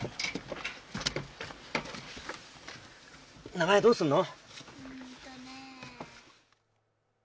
名前、どうすんの？